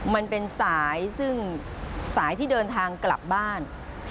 มันเป็นสายซึ่งสายที่เดินทางกลับบ้าน